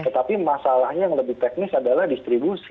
tetapi masalahnya yang lebih teknis adalah distribusi